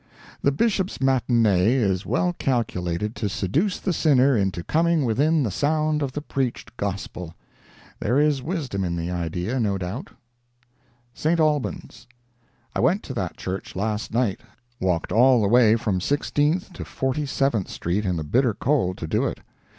The Bishop's matinee is well calculated to seduce the sinner into coming within the sound of the preached Gospel. There is Wisdom in the idea, no doubt. ST. ALBAN'S I went to that church last night. Walked all the way from Sixteenth to Forty seventh street in the bitter cold to do it.